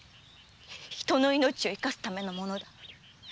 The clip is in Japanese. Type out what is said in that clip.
人の命を生かすためのものだ。